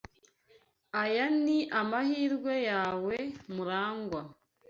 Aya ni amahirwe yawe, Murangwa.